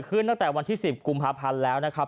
เป็นจะมีเราหาเป็นวิลัย